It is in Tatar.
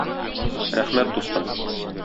Рәхмәт, дустым!